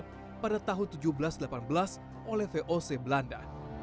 pada tahun seribu tujuh ratus delapan belas oleh voc belanda